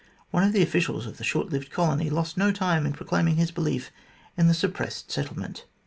One of the officials of the short lived colony lost no time in proclaiming his belief in the suppressed settlement.